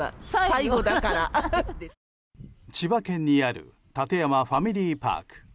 千葉県にある館山ファミリーパーク。